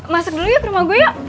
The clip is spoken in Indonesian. masuk dulu ya ke rumah gue